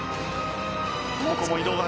ここも移動がある。